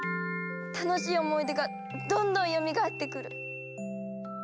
楽しい思い出がどんどんよみがえってくる。